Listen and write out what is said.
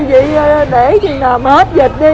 vậy để chị nằm hết dịch đi